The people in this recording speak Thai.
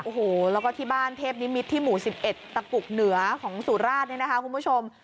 โอ้โหแล้วก็ที่บ้านเทพนิมิตรที่หมู่๑๑ตะกุกเหนือของสุราชเนี่ยนะคะคุณผู้ชม